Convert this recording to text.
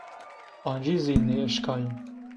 Ancî zî nêeşkayo